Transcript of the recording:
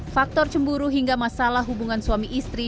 faktor cemburu hingga masalah hubungan suami istri